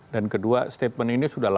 dan kedua statement ini sudah lama